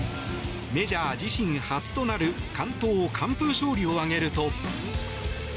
メジャー自身初となる完投・完封勝利を挙げると。